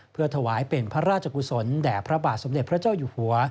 เพื่อถวายเป็นพระราชกุศลแด่พระบาทสมเด็จพระเจ้าอยู่หัว